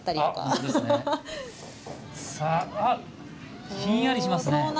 さああっひんやりしますね。